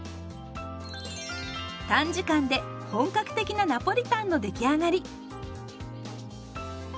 短時間で本格的なナポリタンの出来上がり。